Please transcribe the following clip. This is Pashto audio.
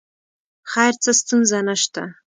خیر څه ستونزه نه شته.